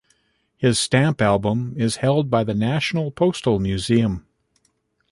His stamp album is held by the National Postal Museum.